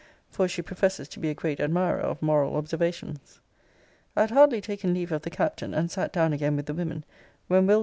for she professes to be a great admirer of moral observations. I had hardly taken leave of the Captain, and sat down again with the women, when Will.